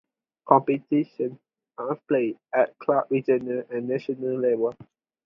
Competitions are played at club, regional and national level.